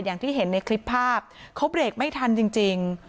อย่างที่เห็นในคลิปภาพเขาเบรกไม่ทันจริง